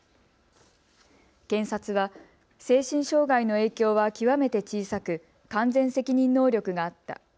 検察は精神障害の影響は極めて小さく完全責任能力があった。